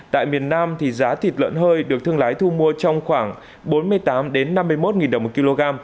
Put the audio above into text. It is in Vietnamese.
tại miền nam giá thịt lợn hơi được thương lái thu mua trong khoảng bốn mươi tám năm mươi một đồng một kg